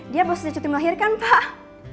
dia bosnya cuti melahirkan pak